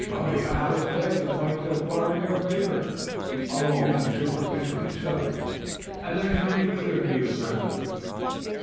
"You have us there. The points so far are in your favor, although only superficially so, as I shall make clear to you presently."